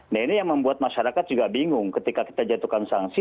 nah ini yang membuat masyarakat juga bingung ketika kita jatuhkan sanksi